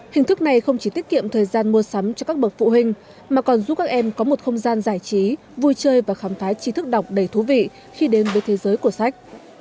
hình thức này không chỉ tiết kiệm thời gian mua sắm cho các bậc phụ huynh mà còn giúp các em có một không gian giải trí vui chơi và khám phá trí thức đọc đầy thú vị khi đến với thế giới của sách